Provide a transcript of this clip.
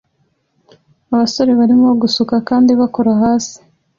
Abasore barimo gusuka kandi bakora hasi